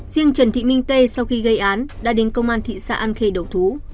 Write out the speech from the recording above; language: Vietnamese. riêng trần thị minh tê sau khi gây án đã đến công an thị xã an khê đầu thú